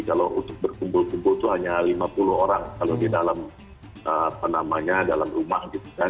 kalau untuk berkumpul kumpul itu hanya lima puluh orang kalau di dalam rumah gitu kan